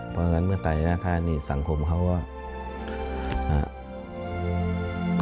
เพราะฉะนั้นเมื่อตายในหน้าที่นี่สังคมเขาก็